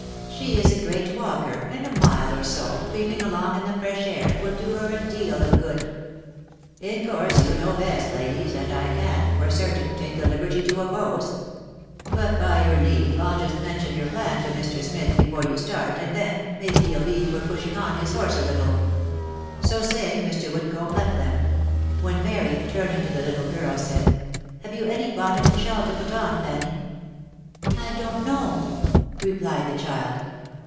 She is a great walker, and a mile or so, creeping along in the fresh air, will do her a deal of good," " In course you know best, ladies, and I can't, for certain, take the liberty to oppose. But, by your leave, I'll just mention your plan to Mr. Smith before you start, and then, maybe he'll be for pushing on his horse a little." So saying, Mr. Woodcomb left them ; when Mary, turning to the little girl, said, " Have you any bonnet and shawl to put on, Fanny V* " I don't know," replied the child.